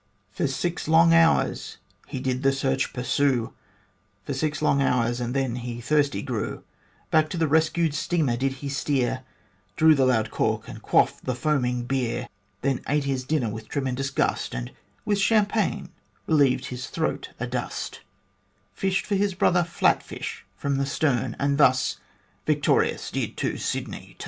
For six long hours he did the search pursue For six long hours and then he thirsty grew ; Back to the rescued steamer did he steer, Drew the loud cork and quaffed the foaming beer ; Then ate his dinner with tremendous gust And with champagne relieved his throat adust ; Fished for his brother flatfish from the stern, And thus, victorious, did to Sydney turn